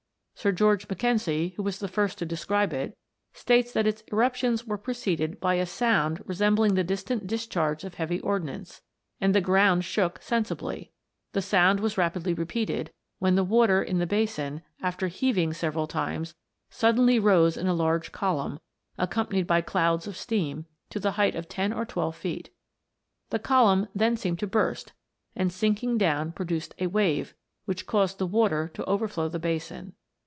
Sir George Mackenzie, who was the first to describe it, states that its eruptions were preceded by a sound resembling the distant discharge of heavy ordnance, and the ground shook sensibly ; the sound was rapidly 1'epeated, when the water in the basin, after heaving several times, suddenly rose in a large column, accompanied by clouds of steam, to the height of ten or twelve feet. The column then seemed to burst, and sinking down produced a wave, which caused the water to overflow the basin.